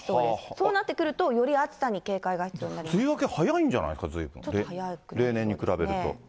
そうなってくると、より暑さに警戒が梅雨明け、早いんじゃないんですか、ずいぶん、例年に比べると。